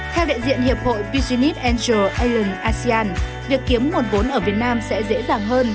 theo đại diện hiệp hội piginic angel aleng asean việc kiếm nguồn vốn ở việt nam sẽ dễ dàng hơn